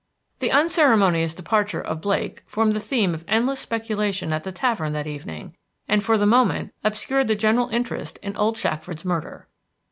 The unceremonious departure of Blake formed the theme of endless speculation at the tavern that evening, and for the moment obscured the general interest in old Shackford's murder.